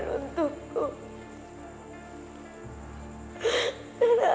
sepertinya di kuart